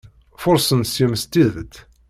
Furṣen seg-m s tidet.